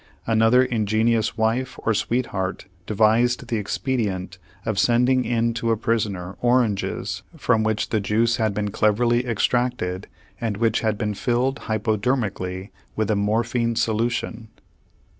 Another ingenious wife or sweetheart devised the expedient of sending in to a prisoner oranges from which the juice had been cleverly extracted and which had been filled hypodermically with a morphine solution.